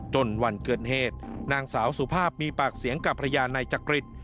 วันเกิดเหตุนางสาวสุภาพมีปากเสียงกับภรรยานายจักริต